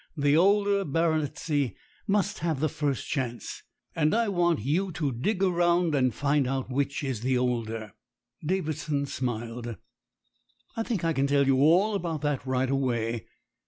The older baronetcy must have the first chance, and I want you to dig around and find out which is the older." Davidson smiled. "I think I can tell you all about that right away.